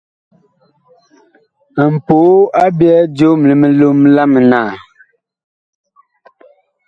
Mpoo a byɛɛ joom li milom la mitaan.